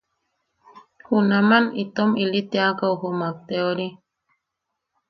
Junama itom ili teakaʼu jumak te ori.